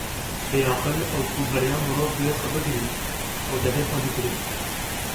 Biaqil ew e ku beriya mirov guhê xwe bigirin, ew devê xwe digire.